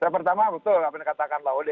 pertama betul apa yang dikatakan laude